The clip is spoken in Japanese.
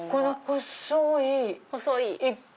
細い。